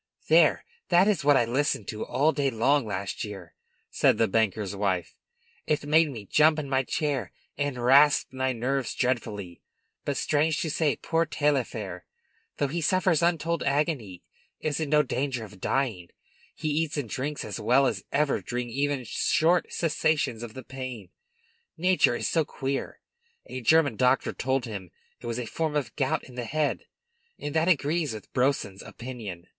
"There! that is what I listened to all day long last year," said the banker's wife. "It made me jump in my chair and rasped my nerves dreadfully. But, strange to say, poor Taillefer, though he suffers untold agony, is in no danger of dying. He eats and drinks as well as ever during even short cessations of the pain nature is so queer! A German doctor told him it was a form of gout in the head, and that agrees with Brousson's opinion."